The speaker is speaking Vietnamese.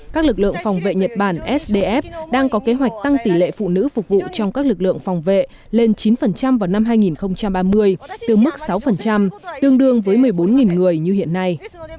các lực lượng phòng vệ nhật bản sdf đang có kế hoạch tăng tỷ lệ phụ nữ phục vụ trong các lực lượng phòng vệ lên chín vào năm hai nghìn ba mươi từ mức sáu tương đương với một mươi bốn người như hiện nay